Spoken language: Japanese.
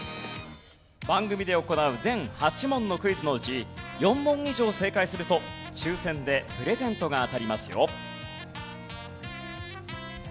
番組で行う全８問のクイズのうち４問以上正解すると抽選でプレゼントが当たりますよ。